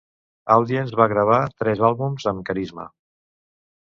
Audience va gravar tres àlbums amb Carisma.